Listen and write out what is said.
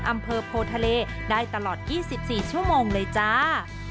อำเภอโพทะเลได้ตลอด๒๔ชั่วโมงเลยจ้า